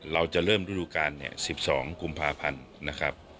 เราจะเริ่มรูปการณ์๑๒กุมภาพันธุ์นะครับ